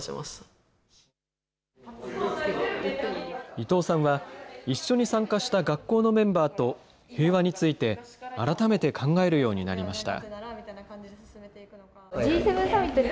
伊東さんは、一緒に参加した学校のメンバーと、平和について改めて考えるようになりました。